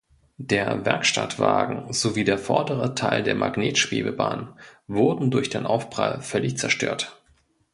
Der Werkstattwagen sowie der vordere Teil der Magnetschwebebahn wurden durch den Aufprall völlig zerstört.